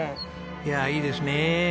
いやいいですねえ。